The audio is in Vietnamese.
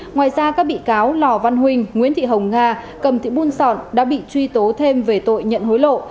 ngoài ra các bị cáo lò văn huynh nguyễn thị hồng nga cầm thị buôn sọn đã bị truy tố thêm về tội nhận hối lộ